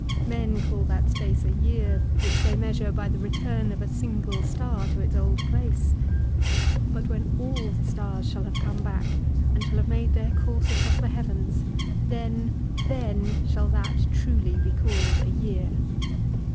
Men call that space a year which they measure by the return of a single star to its old place. But when all the stars shall have come back, and shall have made their course across the heavens, then, then shall that truly be called a year.